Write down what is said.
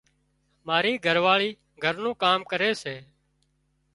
مارِي گھرواۯِي گھر نُون ڪام ڪري سي۔